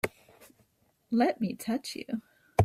Let me touch you!